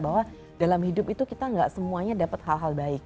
bahwa dalam hidup itu kita gak semuanya dapat hal hal baik